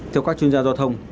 theo các chuyên gia giao thông